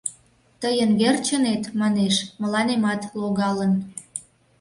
Тыйын верчынет, манеш, мыланемат логалын.